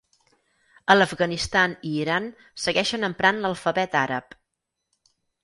A l'Afganistan i Iran segueixen emprant l'alfabet àrab.